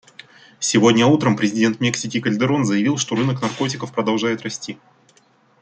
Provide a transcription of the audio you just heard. Сегодня утром президент Мексики Кальдерон заявил, что рынок наркотиков продолжает расти.